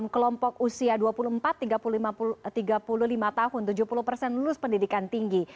kelompok usia dua puluh empat tiga puluh lima tahun tujuh puluh persen lulus pendidikan tinggi